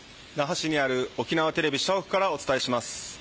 那覇市にある沖縄テレビ社屋からお伝えします。